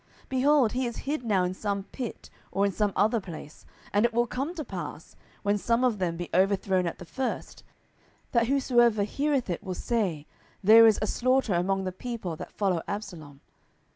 10:017:009 Behold, he is hid now in some pit, or in some other place: and it will come to pass, when some of them be overthrown at the first, that whosoever heareth it will say, There is a slaughter among the people that follow Absalom.